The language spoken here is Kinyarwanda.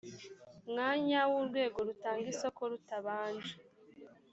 mwanya w urwego rutanga isoko rutabanje